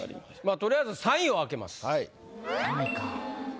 取りあえず３位を開けます。